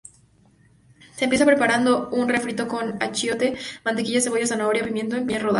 Se empieza preparando un refrito con achiote, mantequilla, cebolla, zanahoria, pimiento en pequeñas rodajas.